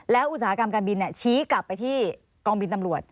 อุตสาหกรรมการบินชี้กลับไปที่กองบินตำรวจ